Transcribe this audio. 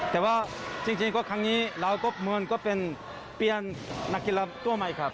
แต่ว่าจริงก็ครั้งนี้เราก็มวลก็เป็นเปลี่ยนนักกีฬาตัวใหม่ครับ